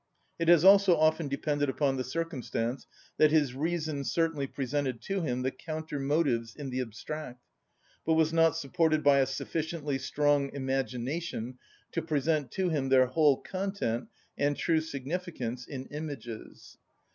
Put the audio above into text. It has also often depended upon the circumstance that his reason certainly presented to him the counter‐motives in the abstract, but was not supported by a sufficiently strong imagination to present to him their whole content and true significance in images.